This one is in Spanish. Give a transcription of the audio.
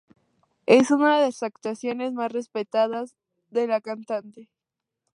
Es una de las actuaciones más respetadas de la cantante.